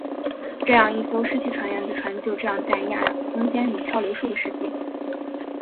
这样一艘失去船员的船就这样在亚空间里飘流数个世纪。